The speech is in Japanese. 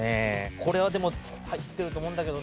これはでも入ってると思うんだけどな。